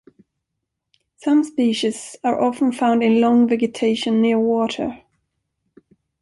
Some species are often found in long vegetation near water.